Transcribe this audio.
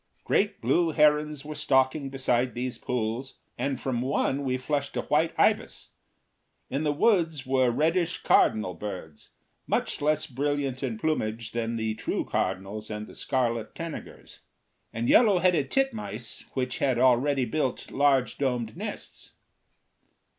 Great blue herons were stalking beside these pools, and from one we flushed a white ibis. In the woods were reddish cardinal birds, much less brilliant in plumage than the true cardinals and the scarlet tanagers; and yellow headed titmice which had already built large domed nests.